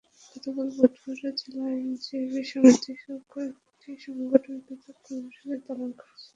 গতকাল বুধবারও জেলা আইনজীবী সমিতিসহ কয়েকটি সংগঠন পৃথক কর্মসূচি পালন করেছে।